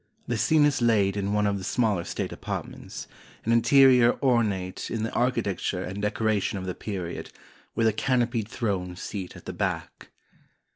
The scene is laid in one of the smaller state apartments, an interior ornate in the architecture and decoration of the period, with a canopied throne seat at the back.